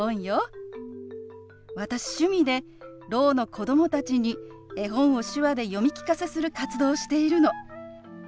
私趣味でろうの子供たちに絵本を手話で読み聞かせする活動をしているの。